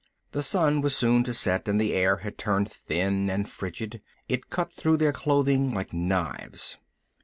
The sun was soon to set, and the air had turned thin and frigid. It cut through their clothing like knives.